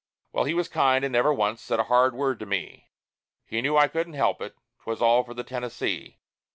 Well, he was kind, and never once said a hard word to me; He knew I couldn't help it 'twas all for the Tennessee.